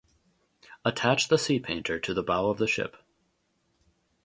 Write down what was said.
Attach the sea painter to the bow of the ship.